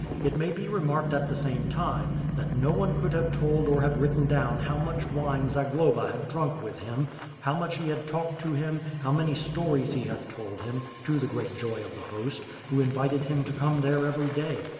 It may be remarked at th€ same time, that no one could have told or have written down how much wine Zagloba had drunk with him; how much he had talked to him, how many stories he had told him, to the great joy of the host, who invited him to come there every day.